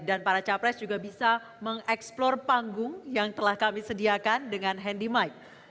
dan para capres juga bisa mengeksplor panggung yang telah kami sediakan dengan handi mic